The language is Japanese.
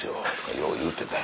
よう言うてた。